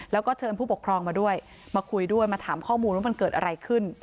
แล้วก็เชิญผู้ปกครองมาด้วยมาคุยด้วยมาถามข้อมูลว่ามันเกิดอะไรขึ้น